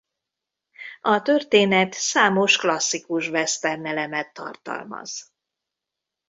A történet számos klasszikus western elemet tartalmaz.